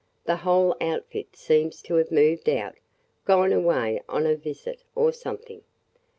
The whole outfit seems to have moved out – gone away on a visit – or something!"